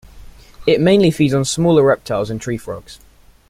It mainly feeds on smaller reptiles and tree frogs.